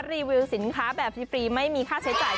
รีวิวสินค้าแบบฟรีไม่มีค่าใช้จ่าย